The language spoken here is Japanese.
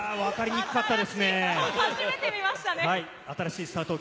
初めて見ましたね。